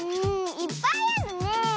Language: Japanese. いっぱいあるね！